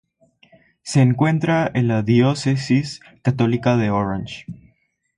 Se encuentra en la Diócesis Católica de Orange.